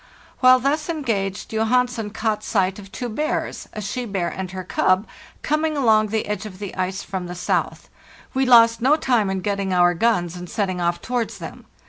While thus engaged, Johansen caught sight of two bears—a she bear and her cub— coming along the edge of the ice from the south. We lost no time in getting our guns and setting off towards them.